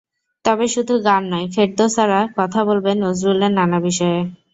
তবে শুধু গান নয়, ফেরদৌস আরা কথা বলবেন নজরুলের নানা বিষয়ে।